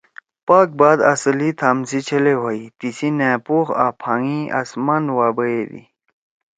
)پاک بات اصلی تھام سی چھلے ہوئی تیِسی نأ پوخ آں پھانگ ئی آسمان وا بَیَدی(